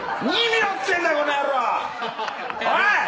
おい！